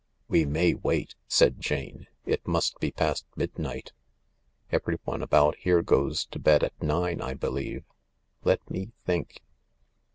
" We may wait," said Jane. " It must be past midnight — everyone about here goes to bed at nine, I believe. Let me think."